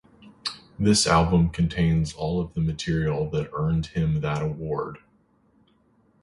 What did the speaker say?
This album contains all of the material that earned him that award.